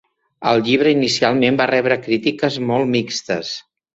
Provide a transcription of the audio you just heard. El llibre inicialment va rebre crítiques molt mixtes.